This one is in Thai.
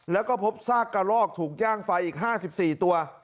แล้วก็พบซากกระลอกถูกย่างไฟอีก๕๔ตัว